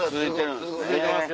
続きますよ。